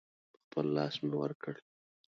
په خپل لاس مې ورکړ.